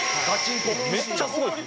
めっちゃすごいです。